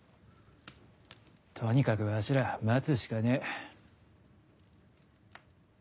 とにかくわしら待つしかねえ。